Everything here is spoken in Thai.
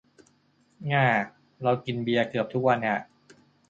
ง้า เรากินเบียร์เกือบทุกวันอ่ะ